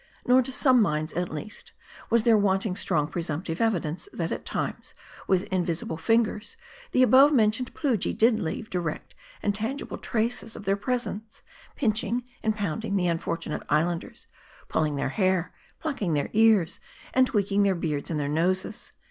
Nor, to some minds, at least, wag there wanting strong presumptive evidence, that at times, with invisible fingers, the above mentioned Plujii did leave direct and tangible traces of .their presence ; pinching and pounding the unfor tunate Islanders ; pulling their hair ; plucking their ears, and tweaking their beards and their noses.